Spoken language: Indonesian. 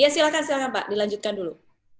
silahkan pak dilanjutkan dulu